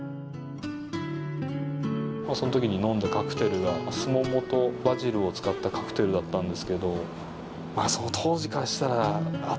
その時に呑んだカクテルがスモモとバジルを使ったカクテルだったんですけどその当時からしたら圧倒的だったと思います。